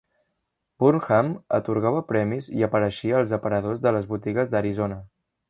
Burnham atorgava premis i apareixia als aparadors de les botigues d'Arizona.